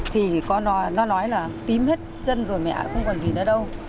thì nó nói là tím hết chân rồi mẹ không còn gì nữa đâu